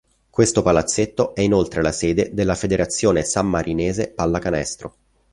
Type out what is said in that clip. Questo palazzetto è inoltre la sede della Federazione Sammarinese Pallacanestro.